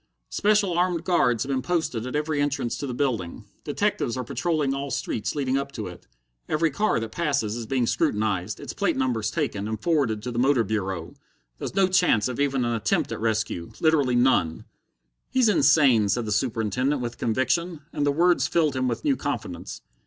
"Special armed guards have been posted at every entrance to the building. Detectives are patrolling all streets leading up to it. Every car that passes is being scrutinized, its plate numbers taken, and forwarded to the Motor Bureau. There's no chance of even an attempt at rescue literally none." "He's insane," said the Superintendent, with conviction, and the words filled him with new confidence.